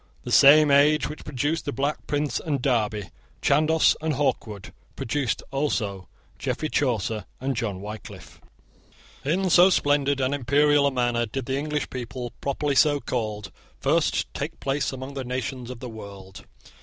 The same age which produced the Black Prince and Derby, Chandos and Hawkwood, produced also Geoffrey Chaucer and John Wycliffe. In so splendid and imperial a manner did the English people, properly so called, first take place among the nations of the world.